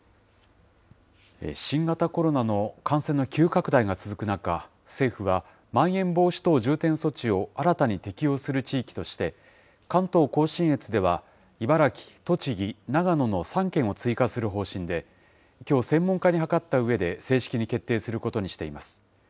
新型コロナの感染の急拡大が続く中、政府はまん延防止等重点措置を新たに適用する地域として、関東甲信越では茨城、栃木、長野の３県を追加する方針で、きょう、専門家に諮ったうえで正式に決定することにしています。